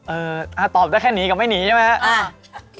เออตอบจะแค่หนีกับไม่หนีใช่ไหมครับอ่า